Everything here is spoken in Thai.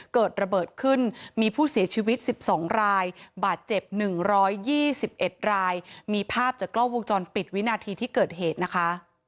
เกิดระเบิดขึ้นมีผู้เสียชีวิต๑๒รายบาดเจ็บ๑๒๑รายมีภาพจากกล้องวงจรปิดวินาทีที่เกิดเหตุนะคะ